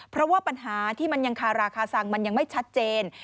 เพราะว่าปัญหาที่มันยังคาราคาซังมันยังไม่ชัดเจน